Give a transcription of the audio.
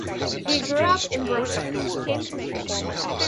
He grew up in Brooklyn.